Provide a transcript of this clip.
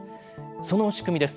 その仕組みです。